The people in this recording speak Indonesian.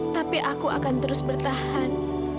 tapi aku akan terus bertahan